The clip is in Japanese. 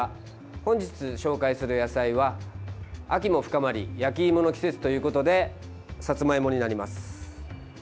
本日紹介する野菜は秋も深まり焼き芋の季節ということでさつまいもになります。